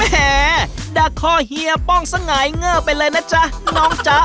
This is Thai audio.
แหดักคอเฮียป้องสง่ายเงิบไปเลยนะจ๊ะน้องจ๊ะ